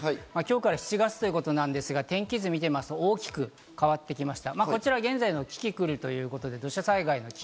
今日から７月ということですが、天気図を見てみると大きく変わってきました。